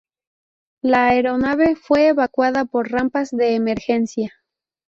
La aeronave fue evacuada por rampas de emergencia.